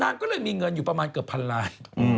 นางก็เลยมีเงินอยู่ประมาณเกือบพันล้าน